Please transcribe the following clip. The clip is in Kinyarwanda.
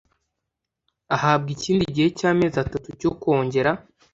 ahabwa ikindi gihe cy amezi atatu cyo kongera